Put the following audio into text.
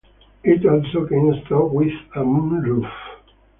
It also came stock with a moonroof.